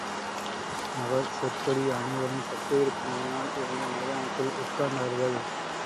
அவர் சொற்படி அனைவரும் சப் ஜெயிலுக்கு முன்னால் இருந்த மைதானத்தில் உட்கார்ந்தார்கள்.